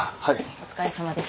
お疲れさまです。